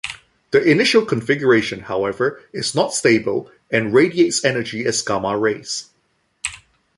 The initial configuration, however, is not stable and radiates energy as gamma rays.